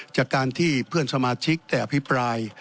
จากการที่เพื่อนสมาชิกได้อภิปราย